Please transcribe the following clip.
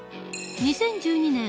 ２０１２年